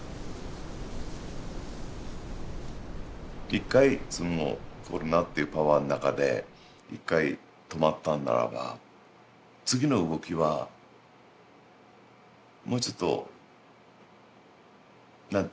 一回コロナっていうパワーの中で一回止まったんならば次の動きはもうちょっと何つったらいいの？